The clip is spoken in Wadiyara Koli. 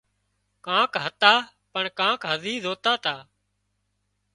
ڪانڪ هتا پڻ ڪانڪ هزي زوتا تا